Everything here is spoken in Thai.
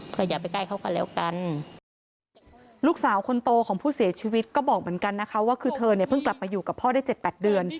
ก็อย่าไปใกล้เขาก็แล้วกันลูกสาวคนโตของผู้เสียชีวิตก็บอกเหมือนกันนะคะว่าคือเธอเนี่ยเพิ่งกลับมาอยู่กับพ่อได้เจ็ดแปดเดือน